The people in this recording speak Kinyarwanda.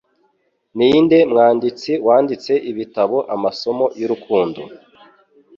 Ninde mwanditsi wanditse ibitabo Amasomo y'urukundo